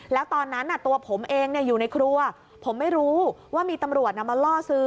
แล้วตอนนั้นตัวผมเองอยู่ในครัวผมไม่รู้ว่ามีตำรวจมาล่อซื้อ